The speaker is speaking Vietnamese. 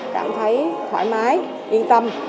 cảm thấy thoải mái yên tâm